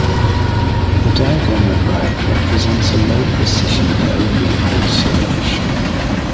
The diagram at right represents a low-precision, low-recall search.